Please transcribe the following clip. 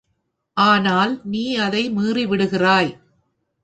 ஆனால், நீ அதை மீறிவிடுகிறாய்.